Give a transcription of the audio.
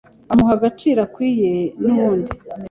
umuha agaciro akwiriye n’ubundi